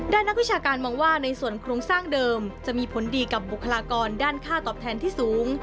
นักวิชาการมองว่าในส่วนโครงสร้างเดิมจะมีผลดีกับบุคลากรด้านค่าตอบแทนที่สูง